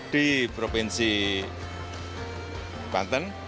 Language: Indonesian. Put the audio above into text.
di provinsi banten